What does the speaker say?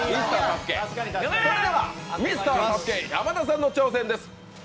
それではミスターＳＡＳＵＫＥ山田さんの挑戦です。